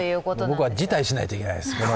僕は辞退しないといけないです。